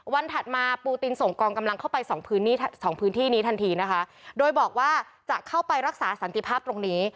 ถัดมาปูตินส่งกองกำลังเข้าไปสองพื้นที่สองพื้นที่นี้ทันทีนะคะโดยบอกว่าจะเข้าไปรักษาสันติภาพตรงนี้